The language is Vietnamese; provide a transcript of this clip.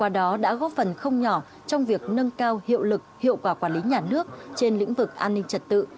đó đã góp phần không nhỏ trong việc nâng cao hiệu lực hiệu quả quản lý nhà nước trên lĩnh vực an ninh trật tự